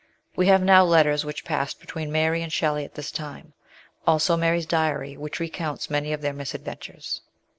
We have now LIFE IN ENGLAND. 75 letters which passed between Mary and Shelley at this time ; also Mary's diary, which recounts many of their misadventures.